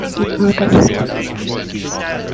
Die Mörder flohen anschließend.